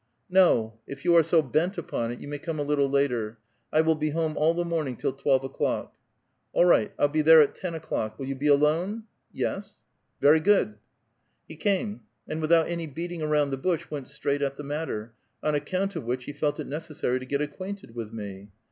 '*No; if you are so bent upon it, you may come a little later. I will be home all the morning till twelve o'clock." '*A11 right; I'll be there at ten o'clock. Will you be alone?" .•'^ Yes." '* Very good." He came ; and without any beating aronnd the bush, went straight at the matter, on account of which he felt it neces sary to get acquainted with me.